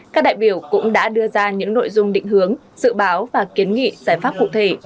các đại biểu cũng đã đưa ra những nội dung định hướng dự báo và kiến nghị giải pháp cụ thể